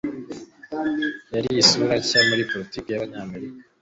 Yari isura nshya muri politiki y'Abanyamerika.